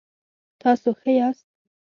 تاسو ښه یاست؟